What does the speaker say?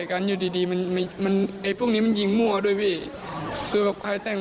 กันอยู่ดีดีมันมันไอ้พวกนี้มันยิงมั่วด้วยพี่คือแบบใครแต่ง